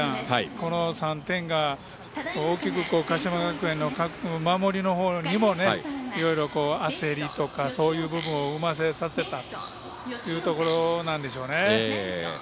この３点が大きく鹿島学園の守りのほうにもいろいろ焦りとかそういう部分を生ませさせたというところなんでしょうね。